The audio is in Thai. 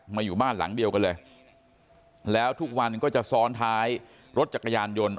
อยู่บ้านหลังเดียวกันเลยแล้วทุกวันก็จะซ้อนท้ายรถจักรยานยนต์